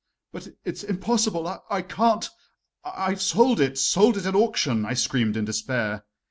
"But it's impossible I can't I have sold it sold it at auction!" I screamed in despair.